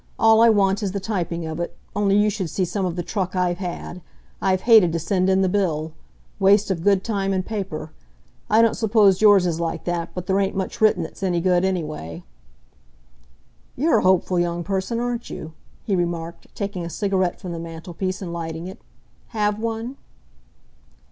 "All I want is the typing of it, only you should see some of the truck I've had! I've hated to send in the bill. Waste of good time and paper! I don't suppose yours is like that, but there ain't much written that's any good, anyway." "You're a hopeful young person, aren't you?" he remarked, taking a cigarette from the mantelpiece and lighting it. "Have one?"